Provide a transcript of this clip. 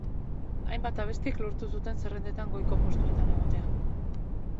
Hainbat abestik lortu zuten zerrendetan goiko postuetan egotea.